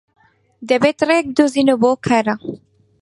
دەبێت ڕێیەک بدۆزینەوە بۆ ئەو کارە.